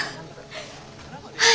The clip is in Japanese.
はい！